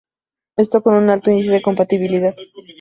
Esto con un alto índice de compatibilidad.